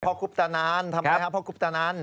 พพกุปตนะนานทำไงครับพพกุปตนะนาน